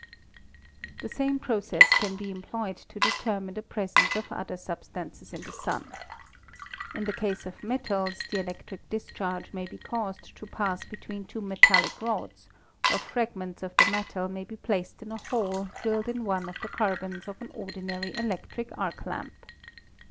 "The same process can be employed to determine the presence of other substances in the Sun. In the case of metals, the electric discharge may be caused to pass be tween two metallic rods, or fragments of the metal may be placed in a hole drilled in one of the carbons of an ordi nary electric arc lamp.